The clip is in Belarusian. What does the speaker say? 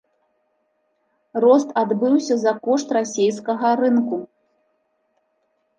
Рост адбыўся за кошт расейскага рынку.